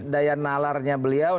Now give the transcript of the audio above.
daya nalarnya beliau